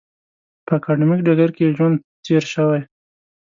په اکاډمیک ډګر کې یې ژوند تېر شوی.